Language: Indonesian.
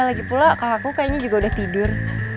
lagipula kakakku kayaknya juga udah tidur